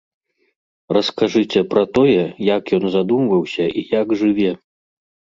Раскажыце пра тое, як ён задумваўся і як жыве.